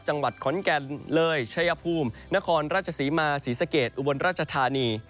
จังหวัดขอนแก่นเลยชัยภูมินครราชศรีมาศรีสะเกดอุบลราชธานี